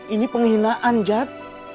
ini penghinaan jat